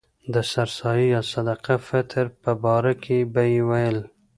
د سر سایې یا صدقه فطر په باره کې به یې ویل.